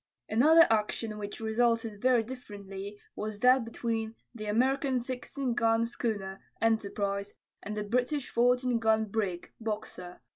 Another action which resulted very differently was that between the American 16 gun schooner, Enterprise, and the British 14 gun brig, Boxer.